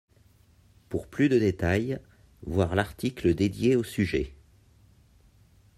Pour plus de détails, voir l'article dédié au sujet.